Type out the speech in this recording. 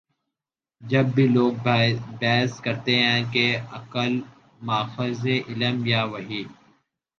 آج بھی لوگ بحث کرتے ہیں کہ عقل ماخذ علم یا وحی؟